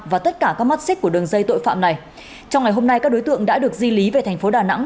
và tất cả các mắt xích của đường dây tội phạm này trong ngày hôm nay các đối tượng đã được di lý về thành phố đà nẵng